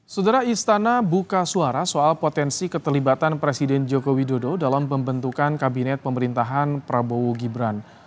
sudara istana buka suara soal potensi keterlibatan presiden joko widodo dalam pembentukan kabinet pemerintahan prabowo gibran